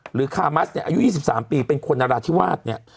หรือคามาสอายุ๒๓ปีเป็นคนอราธิวาสเนี่ย